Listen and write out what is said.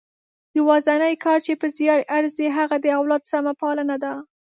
یوازنۍ کار چې په زیار ارزي هغه د اولاد سمه پالنه ده.